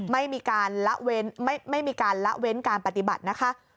ไม่มีการละเว้นการปฏิบัตินะคะ